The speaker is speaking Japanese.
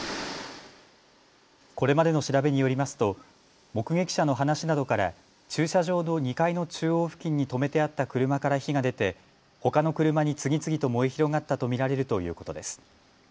これまでの調べによりますと目撃者の話などから駐車場の２階の中央付近に止めてあった車から火が出て、ほかの車に次々と燃え広がったと見られるということです。